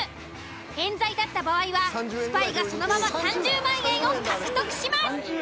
冤罪だった場合はスパイがそのまま３０万円を獲得します。